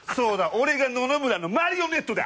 俺が野々村のマリオネットだ！